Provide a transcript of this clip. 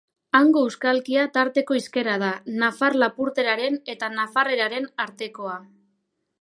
Hango euskalkia tarteko hizkera da, nafar-lapurteraren eta nafarreraren artekoa.